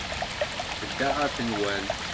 Tedda ɣer tenwalt.